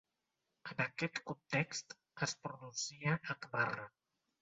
En aquest context, es pronuncia "h-barra".